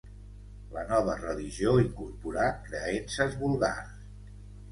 La nova religió incorporà creences vulgars.